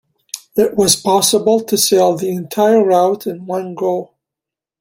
It was possible to sail the entire route in one go.